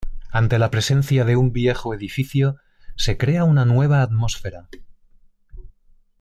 Ante la presencia de un viejo edificio se crea una nueva atmósfera.